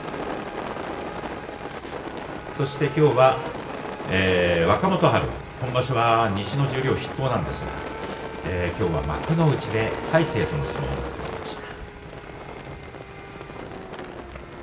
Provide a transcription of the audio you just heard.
そしてきょうは若元春、今場所は西の十両筆頭なんですがきょうは幕内で魁聖との相撲が組まれました。